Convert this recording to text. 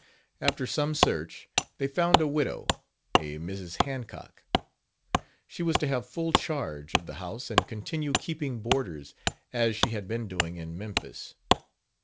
After some search, they found a widow, a Mrs. Hancock. She was to have full charge of the house and continue keeping boarders, as she had been doing in Memphis.